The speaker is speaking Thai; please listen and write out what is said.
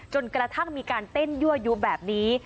จนกระทั่งมีการเต้นยั่วยูแบบนี้